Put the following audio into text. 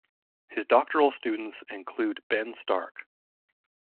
His doctoral students include Ben Stark.